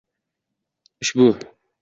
Uşʙu